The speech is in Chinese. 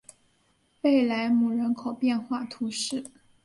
贝莱姆人口变化图示